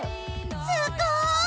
すごーい！